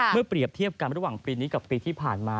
เปรียบเทียบกันระหว่างปีนี้กับปีที่ผ่านมา